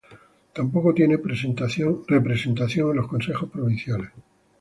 Tampoco tiene representación en los Consejos Provinciales.